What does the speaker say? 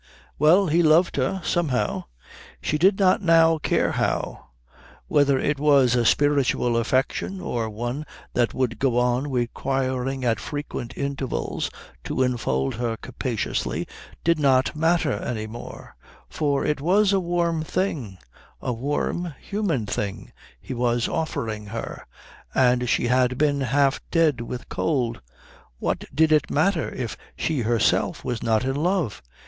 Well, he loved her, somehow; she did not now care how. Whether it was a spiritual affection or one that would go on requiring at frequent intervals to enfold her capaciously did not matter any more, for it was a warm thing, a warm human thing, he was offering her, and she had been half dead with cold. What did it matter if she herself was not in love?